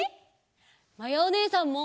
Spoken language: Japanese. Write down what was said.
まやおねえさんも！